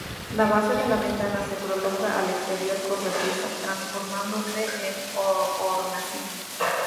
La base de la ventana se prolonga al exterior con repisa, transformándose en hornacina.